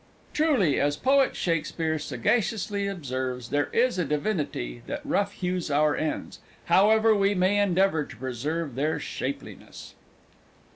Truly, as poet Shakespeare sagaciously observes, there is a divinity that rough hews our ends, however we may endeavour to preserve their shapeliness!